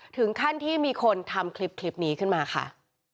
ถึงขั้นที่มีคนทำคลิปนี้ขึ้นมาค่ะ